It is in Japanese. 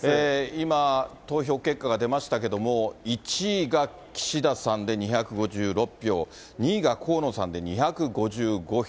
今、投票結果が出ましたけれども、１位が岸田さんで２５６票、２位が河野さんで２５５票。